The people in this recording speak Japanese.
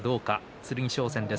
剣翔戦です。